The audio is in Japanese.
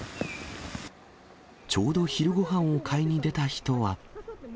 ちょうど昼ごはんを買いに出た人は。